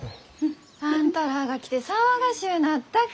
あんたらあが来て騒がしゅうなったき。